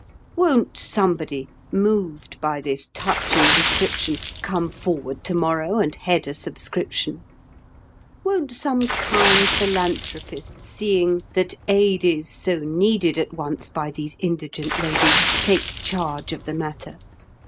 Won't somebody, moved by this touching description, Come forward to morrow and head a subscription? Won't some kind philanthropist, seeing that aid is So needed at once by these indigent ladies, Take charge of the matter?